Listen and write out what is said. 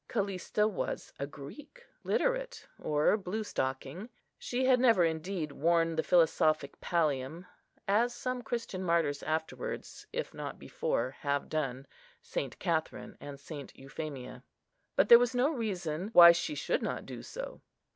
Callista was a Greek; a literate, or blue stocking. She had never indeed worn the philosophic pallium (as some Christian martyrs afterwards, if not before, have done—St. Catherine and St. Euphemia), but there was no reason why she should not do so.